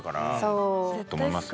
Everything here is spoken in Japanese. そう。と思いますよね。